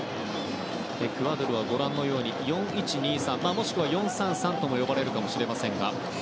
エクアドルは４−１−２−３もしくは４−３−３とも呼ばれるかもしれませんが。